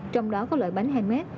trong đó có loại bánh hai mét